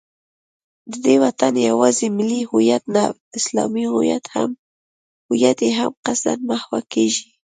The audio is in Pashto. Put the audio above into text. د دې وطن یوازې ملي هویت نه، اسلامي هویت یې هم قصدا محوه کېږي